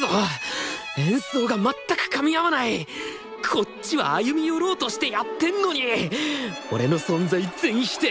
こっちは歩み寄ろうとしてやってんのに俺の存在全否定！